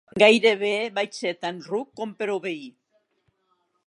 Gairebé vaig ser tan ruc com per obeir.